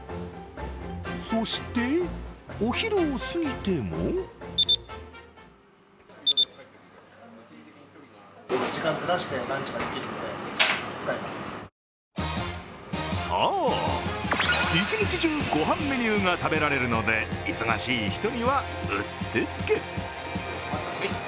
そして、お昼を過ぎてもそう、一日中、ごはんメニューが食べられるので忙しい人には、うってつけ。